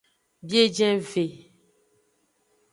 Biejenve.